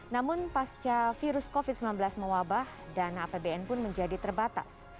namun pasca virus covid sembilan belas mewabah dana apbn pun menjadi terbatas